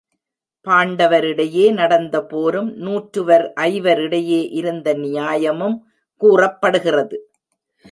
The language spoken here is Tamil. பாண்டவரிடையே நடந்த போரும், நூற்றுவர் ஐவரிடையே இருந்த நியாயமும் கூறப்படுகிறது.